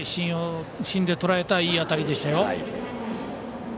芯でとらえたいい当たりでしたよ。